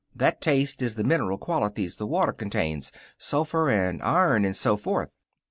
"That taste is the mineral qualities the water contains sulphur and iron and so forth."